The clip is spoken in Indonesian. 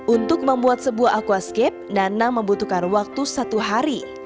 untuk membuat sebuah aquascape nanang membutuhkan waktu satu hari